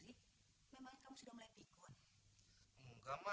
sikap aneh ada apa sih enggak ada apa apa cuma eh kek lu pergi pas gue tahu kalau